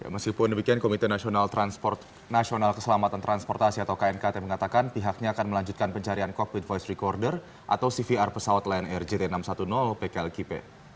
meskipun demikian komite nasional keselamatan transportasi atau knkt mengatakan pihaknya akan melanjutkan pencarian cockpit voice recorder atau cvr pesawat lion air jt enam ratus sepuluh pklkp